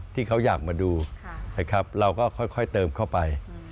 ที่เขาอยากมาดูนะครับเราก็ค่อยเติมเข้าไป